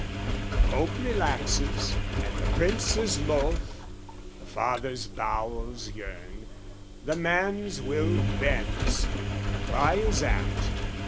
"The Pope relaxes, and the Prince is loth, "The father's bowels yearn, the man's will bends, "Reply is apt.